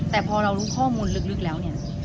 แต่พอเรารู้ข้อมูลลึกแล้ว